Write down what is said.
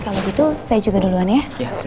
kalau gitu saya juga duluan ya